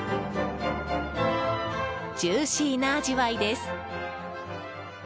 ジューシーな味わいです。